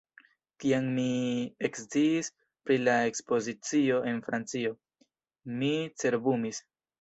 Kiam mi eksciis pri la ekspozicio en Francio, mi cerbumis.